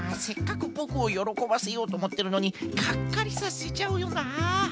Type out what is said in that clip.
せっかくボクをよろこばせようとおもってるのにがっかりさせちゃうよなあ。